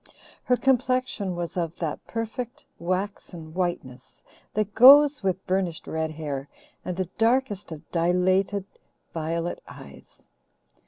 Her complexion was of that perfect, waxen whiteness that goes with burnished red hair and the darkest of dilated violet eyes.